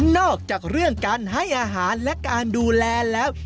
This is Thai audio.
นอกจากเรื่องการให้อาหารและการดูแลแล้ว